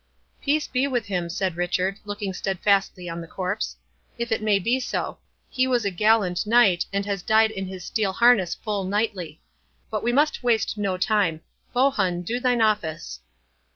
"Peace be with him," said Richard, looking steadfastly on the corpse, "if it may be so—he was a gallant knight, and has died in his steel harness full knightly. But we must waste no time—Bohun, do thine office!"